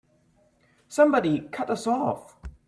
Somebody cut us off!